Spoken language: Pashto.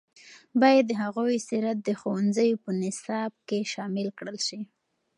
باید د هغوی سیرت د ښوونځیو په نصاب کې شامل کړل شي.